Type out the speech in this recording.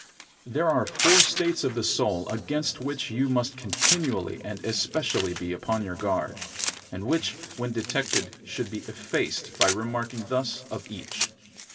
19. There are four states of the soul against which you must continually and especially be upon your guard; and which, when detected, should be effaced, by remarking thus of each.